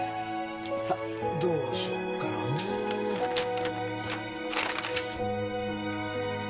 さっどうしよっかなぁ。